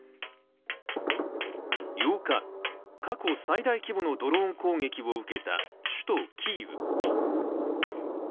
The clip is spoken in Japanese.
８日、過去最大規模のドローン攻撃を受けた首都キーウ。